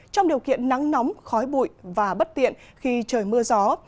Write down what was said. trong điều kiện nắng nóng khói bụi và bất tiện khi trời mưa gió